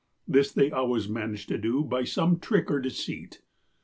This they always managed to do by some trick or deceit.